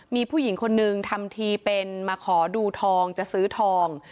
มีผู้หญิงคนนึงทำทีเป็นมาขอดูทองจะซื้อทอง